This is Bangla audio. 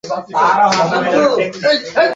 এটা পড়ে সংশোধন করো।